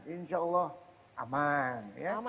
insya allah aman